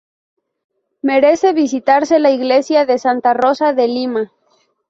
Merece visitarse la Iglesia de Santa Rosa de Lima.